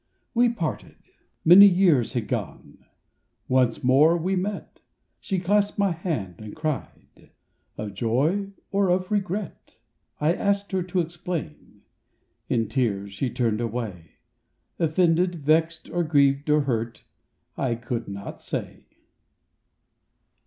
We parted. Many years had gone; Once more we met; She clasped my hand and cried—of, joy Or of regret ? I asked her to explain—in tears She turned away: Offended, vexed, or grieved, or hurt — I could not say.